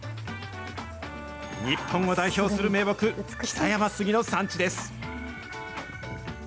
日本を代表する銘木、北山杉の産地です。